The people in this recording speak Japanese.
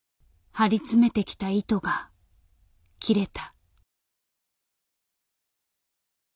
張り詰めてきた糸が切れた。